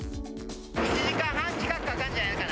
１時間半近くかかるんじゃないかな。